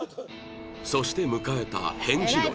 そして迎えた返事の日